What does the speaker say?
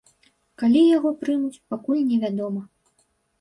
Калі яго прымуць, пакуль невядома.